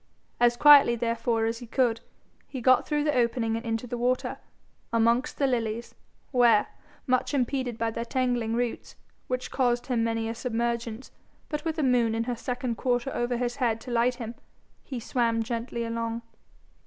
As quietly therefore as he could, he got through the opening and into the water, amongst the lilies, where, much impeded by their tangling roots, which caused him many a submergence, but with a moon in her second quarter over his head to light him, he swam gently along.